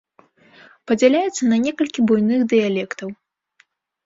Падзяляецца на некалькі буйных дыялектаў.